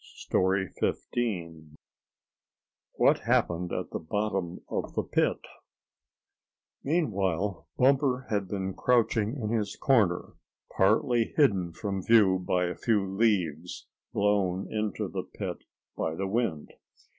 STORY XV WHAT HAPPENED AT THE BOTTOM OF THE PIT Meanwhile Bumper had been crouching in his corner, partly hidden from view by a few leaves blown into the pit by the wind.